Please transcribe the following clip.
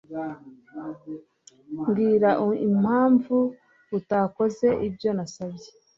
Mbwira impamvu utakoze ibyo nasabye.